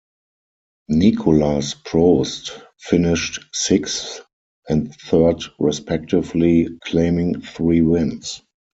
Nicolas Prost finished sixth and third respectively, claiming three wins.